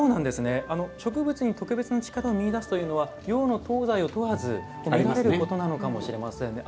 植物に特別な力を見いだすというのは洋の東西を問わずあることなのかもしれませんね。